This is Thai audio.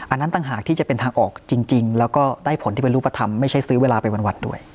อันนั้นต่างหากที่จะเป็นทางออกจริงแล้วก็ได้ผลที่เป็นรูปธรรมไม่ใช่ซื้อเวลาไปวันด้วย